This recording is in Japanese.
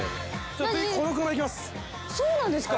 そうなんですか？